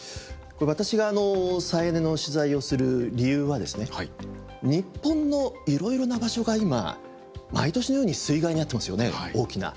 私が再エネの取材をする理由はですね日本のいろいろな場所が今毎年のように水害に遭ってますよね大きな。